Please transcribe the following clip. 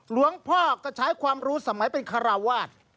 หลวงพ่อก็ใช้ความรู้สมัยเป็นคาราวาส